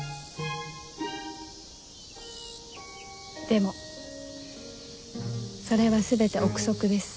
でもそれは全て臆測です。